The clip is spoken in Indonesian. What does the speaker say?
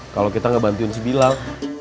kalau kita gak bantuin si pilal